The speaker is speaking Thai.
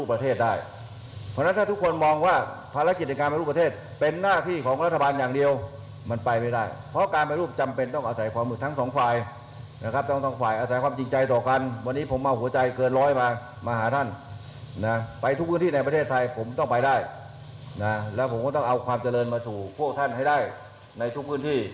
ไปทุกพื้นที่ในประเทศไทยผมต้องไปได้และผมก็ต้องเอาความเจริญมาสู่พวกท่านให้ได้ในทุกพื้นที่